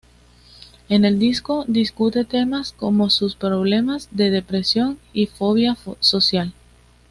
En el disco discute temas como sus problemas de depresión y fobia social.